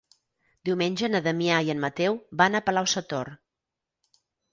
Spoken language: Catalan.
Diumenge na Damià i en Mateu van a Palau-sator.